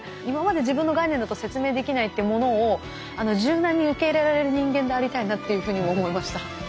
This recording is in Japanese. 今まで自分の概念だと説明できないっていうものを柔軟に受け入れられる人間でありたいなっていうふうに思いました。